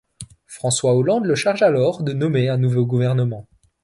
François Hollande le charge alors de nommer un nouveau gouvernement.